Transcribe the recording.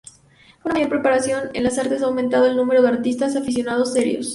Una mayor preparación en las artes ha aumentado el número de artistas aficionados serios.